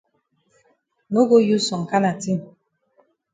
No go use some kana tin.